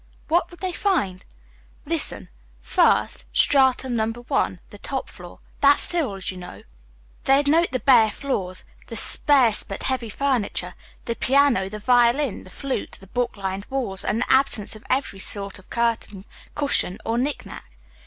"What would they find? Listen. First: stratum number one, the top floor; that's Cyril's, you know. They'd note the bare floors, the sparse but heavy furniture, the piano, the violin, the flute, the book lined walls, and the absence of every sort of curtain, cushion, or knickknack.